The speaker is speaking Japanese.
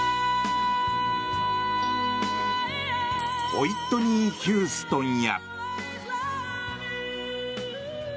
ホイットニー・ヒューストンや。